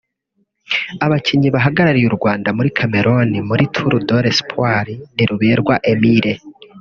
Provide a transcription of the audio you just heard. Abakinnyi bahagarariye u Rwanda muri Cameroun muri Tour de l’Espoir ni Ruberwa Emile